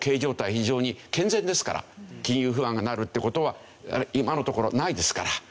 非常に健全ですから金融不安がなるって事は今のところないですから。